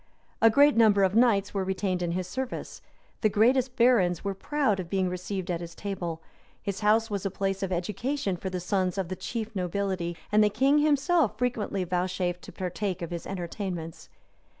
[*] A great number of knights were retained in his service; the greatest barons were proud of being received at his table; his house was a place of education for the sons of the chief nobility; and the king himself frequently vouchsafed to partake of his entertainments.